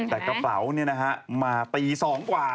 แต่กระเป๋ามาตี๒กว่า